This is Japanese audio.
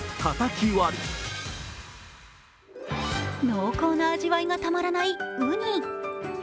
濃厚な味わいがたまらないうに。